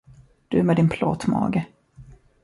Du med din plåtmage.